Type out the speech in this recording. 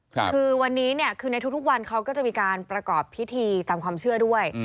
คือวันนี้เนี่ยคือในทุกวันเขาก็จะมีการประกอบพิธีตามความเชื่อด้วย